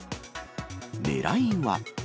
ねらいは。